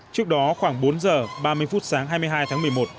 trước đó khoảng bốn giờ ba mươi phút sáng hai mươi hai tháng một mươi một